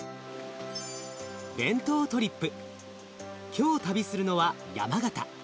今日旅するのは山形。